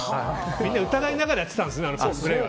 みんな疑いながらやってたんですね、あのプレーは。